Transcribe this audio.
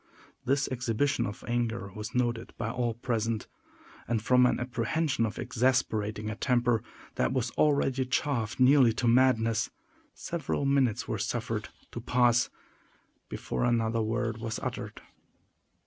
This exhibition of anger was noted by all present; and from an apprehension of exasperating a temper that was already chafed nearly to madness, several minutes were suffered to pass before another word was uttered.